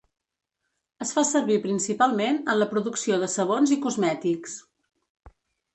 Es fa servir principalment en la producció de sabons i cosmètics.